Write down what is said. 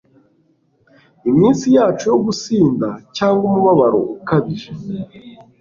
iminsi yacu yo gusinda cyangwa umubabaro ukabije